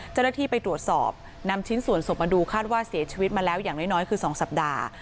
เจ้าหน้าที่ไปตรวจสอบนำชิ้นส่วนศพมาดูคาดว่าเสียชีวิตมาแล้วอย่างน้อยคือ๒สัปดาห์